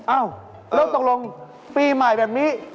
อ้าวแล้วตกลงปีใหม่แบบนี้